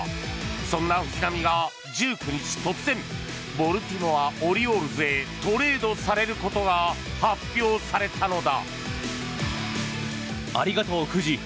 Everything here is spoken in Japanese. そんな藤浪が１９日、突然ボルティモア・オリオールズへトレードされることが発表されたのだ。